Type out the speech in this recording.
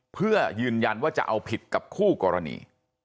เพื่อยืนยันว่าจะเอาผิดกับคู่กรณี